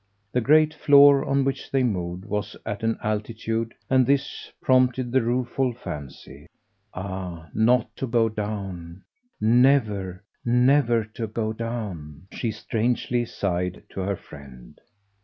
The great floor on which they moved was at an altitude, and this prompted the rueful fancy. "Ah not to go down never, never to go down!" she strangely sighed to her friend.